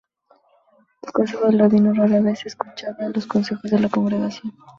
El consejo del rabino rara vez se escuchaba en los consejos de la congregación...